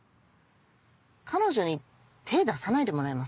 彼女に手出さないでもらえます？